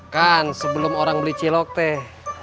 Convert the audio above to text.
kan sebelum orang beli cilok teh